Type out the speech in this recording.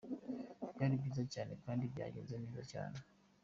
Byari byiza cyane kandi byagenze neza cyane.